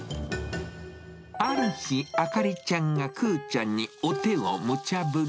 ある日、灯里ちゃんがくぅちゃんにお手をむちゃぶり。